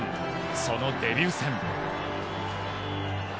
そのデビュー戦。